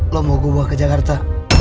lu mau gue bawa ke jakarta